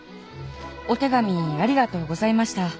お手紙ありがとうございました。